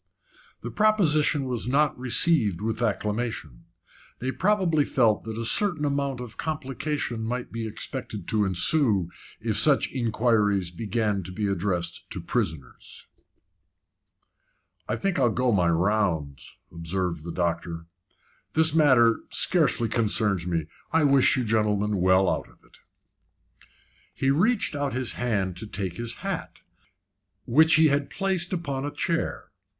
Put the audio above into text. The proposition was not received with acclamation. They probably felt that a certain amount of complication might be expected to ensue if such inquiries began to be addressed to prisoners. "I think I'll go my rounds," observed the doctor. "This matter scarcely concerns me. I wish you gentlemen well out of it." He reached out his hand to take his hat, which he had placed upon a chair.